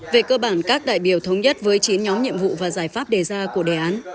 về cơ bản các đại biểu thống nhất với chín nhóm nhiệm vụ và giải pháp đề ra của đề án